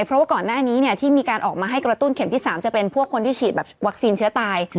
เพราะว่าก่อนหน้านี้ที่มีการออกมาให้กระตุ้นเข็มที่๓จะเป็นพวกคนที่ฉีดแบบวัคซีนเชื้อตาย